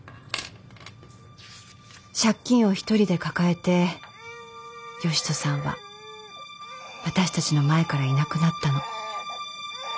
借金を一人で抱えて善人さんは私たちの前からいなくなったの。